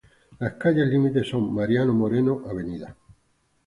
Las calles límites son Mariano Moreno, Av.